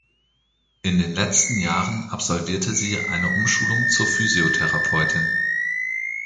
In den letzten Jahren absolvierte sie eine Umschulung zur Physiotherapeutin.